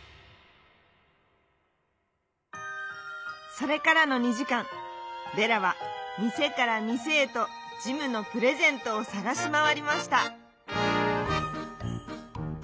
それからの２じかんデラはみせからみせへとジムのプレゼントをさがしまわりました。